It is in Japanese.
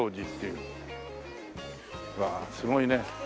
うわーすごいね。